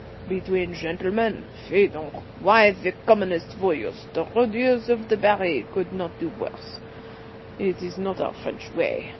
"Between gentlemen? Fi donc! Why the commonest voyous, the rôdeurs of the barrière, could not do worse. It is not our French way.